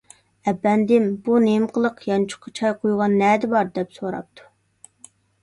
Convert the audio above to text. — ئەپەندىم، بۇ نېمە قىلىق، يانچۇققا چاي قۇيغان نەدە بار؟ — دەپ سوراپتۇ.